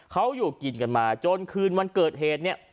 เขาอยู่กินกันมาจนคืนวันเกิดเหตุเนี่ย